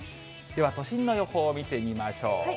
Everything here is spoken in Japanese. では、都心の予報を見てみましょう。